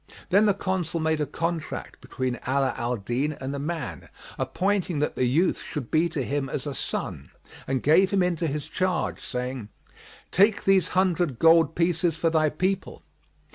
Then the Consul made a contract between Ala al Din and the man, appointing that the youth should be to him as a son, and gave him into his charge, saying, "Take these hundred gold pieces for thy people."